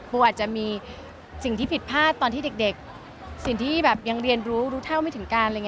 อาจจะมีสิ่งที่ผิดพลาดตอนที่เด็กสิ่งที่แบบยังเรียนรู้รู้เท่าไม่ถึงการอะไรอย่างนี้